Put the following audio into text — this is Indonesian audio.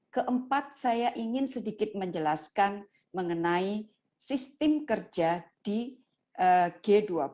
keempat saya ingin sedikit menjelaskan mengenai sistem kerja di g dua puluh